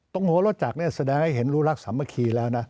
ตรงหัวรถจักรเนี่ยแสดงให้เห็นรู้รักสามัคคีแล้วนะ